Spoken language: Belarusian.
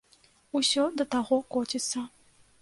Усё да таго коціцца.